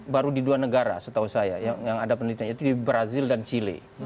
baru di dua negara setahu saya yang ada penelitian itu di brazil dan chile